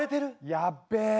やっべえ！